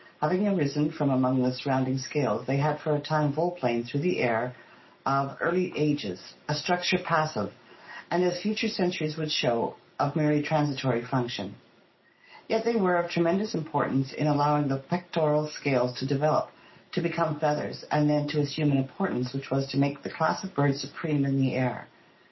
Having arisen from among the surrounding scales, they had for a time volplaned through the air of early ages, a structure passive, and, as future centuries would show, of merely transitory function. Yet they were of tre mendous importance in allowing the pectoral scales to develop, to become feathers, and then to assume an importance which was to make the class of birds supreme in the air.